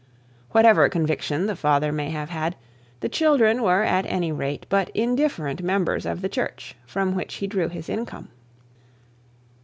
Whatever conviction the father may have had, the children were at any rate but indifferent members of the church from which he drew his income.